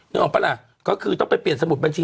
ออกปะล่ะก็คือต้องไปเปลี่ยนสมุดบัญชี